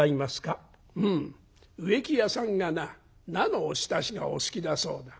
「うん植木屋さんがな菜のおひたしがお好きだそうだ。